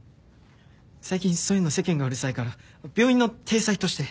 最近そういうの世間がうるさいから病院の体裁として。